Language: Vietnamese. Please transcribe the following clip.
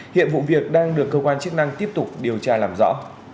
hiện vụ việc đang được cơ quan chức năng tiếp tục điều tra làm rõ